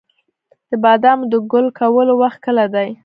د بادامو د ګل کولو وخت کله دی؟